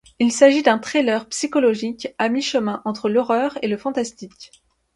Il s'agit d'un thriller psychologique à mi-chemin entre l'horreur et le fantastique.